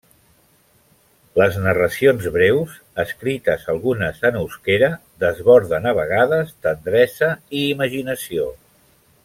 Les narracions breus, escrites algunes en euskera, desborden a vegades tendresa i imaginació.